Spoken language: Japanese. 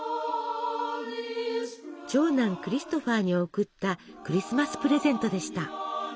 長男クリストファーに贈ったクリスマスプレゼントでした。